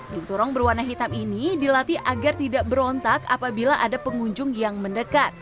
binturong berwarna hitam ini dilatih agar tidak berontak apabila ada pengunjung yang mendekat